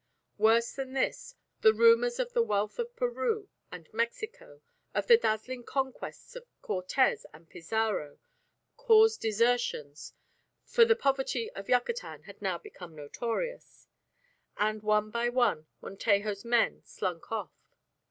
Worse than this, the rumours of the wealth of Peru and Mexico, of the dazzling conquests of Cortes and Pizarro, caused desertions (for the poverty of Yucatan had now become notorious), and one by one Montejo's men slunk off.